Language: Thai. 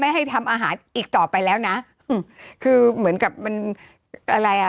ให้ทำอาหารอีกต่อไปแล้วนะอืมคือเหมือนกับมันอะไรอ่ะ